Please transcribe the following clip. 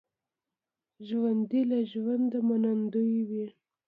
ژوندي له ژونده منندوی وي